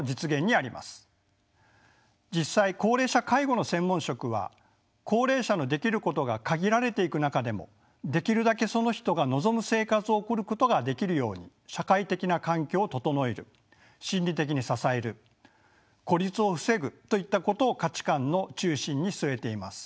実際高齢者介護の専門職は高齢者のできることが限られていく中でもできるだけその人が望む生活を送ることができるように社会的な環境を整える心理的に支える孤立を防ぐといったことを価値観の中心に据えています。